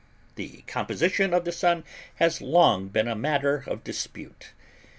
The composition of the Sun has long been a matter of dispute.